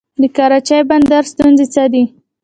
د کراچۍ بندر ستونزې څه دي؟